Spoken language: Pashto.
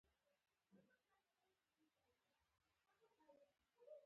کومه بده ویرانه پېښه نه کړي.